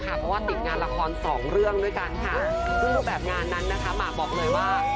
เพราะว่าติดงานละครสองเรื่องด้วยกันค่ะซึ่งรูปแบบงานนั้นนะคะหมากบอกเลยว่า